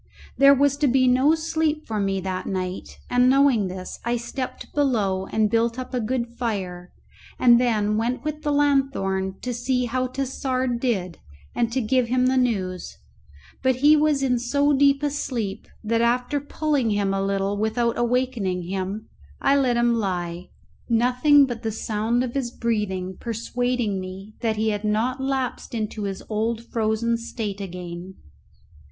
There was to be no sleep for me that night, and knowing this, I stepped below and built up a good fire, and then went with the lanthorn to see how Tassard did and to give him the news; but he was in so deep a sleep, that after pulling him a little without awakening him I let him lie, nothing but the sound of his breathing persuading me that he had not lapsed into his old frozen state again.